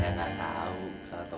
memang dasar pembantu